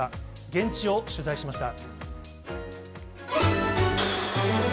現地を取材しました。